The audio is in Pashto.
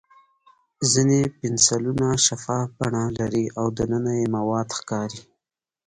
ځینې پنسلونه شفاف بڼه لري او دننه یې مواد ښکاري.